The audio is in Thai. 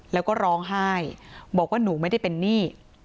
แล้วก็ร้องไห้บอกว่าหนูไม่ได้เป็นหนี้